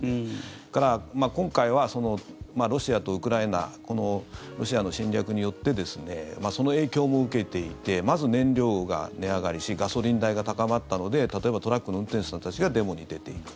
それから、今回はロシアとウクライナロシアの侵略によってその影響も受けていてまず燃料が値上がりしガソリン代が高まったので例えばトラックの運転手さんたちがデモに出ている。